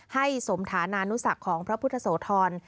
ให้สมฐานานุศักดิ์ของพระพุทธโสธร